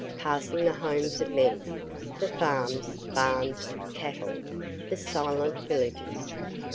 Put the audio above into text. Passing the homes of men, the farms, barns, cattle the silent villages.